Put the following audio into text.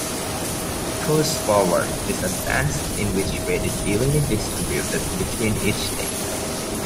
Toes Forward is a stance in which weight is evenly distributed between each leg.